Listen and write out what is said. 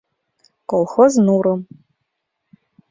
Колхоз нурым